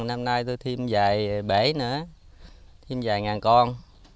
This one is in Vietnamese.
năm nay tôi thêm vài bể nữa thêm vài ngàn con